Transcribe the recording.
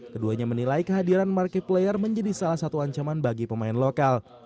keduanya menilai kehadiran marque player menjadi salah satu ancaman bagi pemain lokal